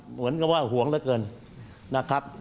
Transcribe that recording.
เหมือนกับว่าห่วงเหลือเกินนะครับ